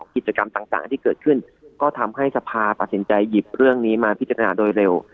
กิจกรรมต่างที่เกิดขึ้นก็ทำให้สภาตัดสินใจหยิบเรื่องนี้มาพิจารณาโดยเร็ว